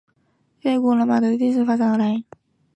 罗马式敬礼通常被认为是由古罗马的致意习惯发展而来。